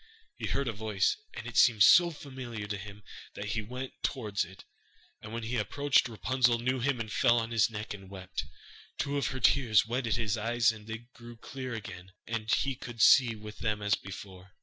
He heard a voice, and it seemed so familiar to him that he went towards it, and when he approached, Rapunzel knew him and fell on his neck and wept. Two of her tears wetted his eyes and they grew clear again, and he could see with them as before.